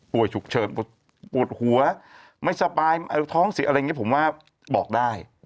ฉุกเฉินปวดหัวไม่สบายท้องสิอะไรอย่างนี้ผมว่าบอกได้